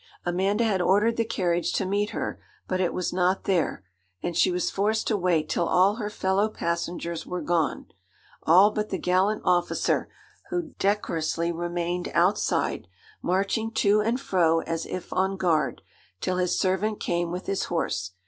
Amanda had ordered the carriage to meet her; but it was not there, and she was forced to wait till all her fellow passengers were gone. All but the gallant officer, who decorously remained outside, marching to and fro as if on guard, till his servant came with his horse.